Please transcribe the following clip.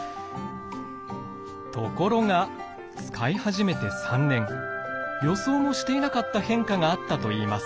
ところが使い始めて３年予想もしていなかった変化があったといいます。